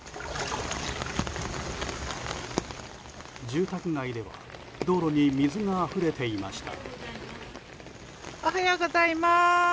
住宅街では道路に水があふれていました。